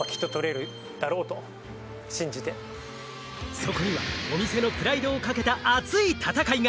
そこにはお店のプライドをかけた熱い戦いが。